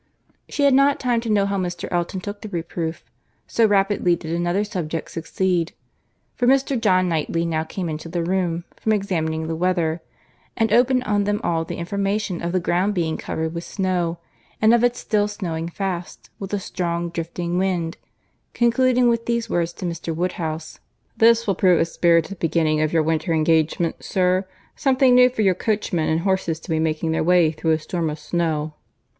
She had not time to know how Mr. Elton took the reproof, so rapidly did another subject succeed; for Mr. John Knightley now came into the room from examining the weather, and opened on them all with the information of the ground being covered with snow, and of its still snowing fast, with a strong drifting wind; concluding with these words to Mr. Woodhouse: "This will prove a spirited beginning of your winter engagements, sir. Something new for your coachman and horses to be making their way through a storm of snow."